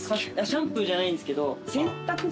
シャンプーじゃないんですけど。